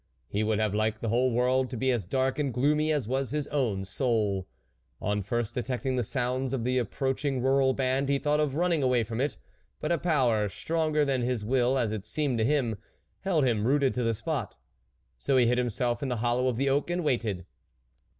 He would have liked the whole world to be as dark and gloomy as was his own soul. On first detecting the sounds of the approach ing rural band, he thought of running away from it ; but a power, stronger than his will, as it seemed to him, held him rooted to the spot ; so he hid himself in the hollow of the oak and waited.